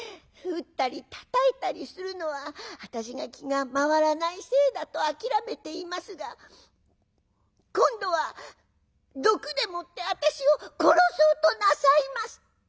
打ったりたたいたりするのは私が気が回らないせいだと諦めていますが今度は毒でもって私を殺そうとなさいます」。